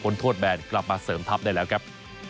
โทษแบนกลับมาเสริมทัพได้แล้วครับ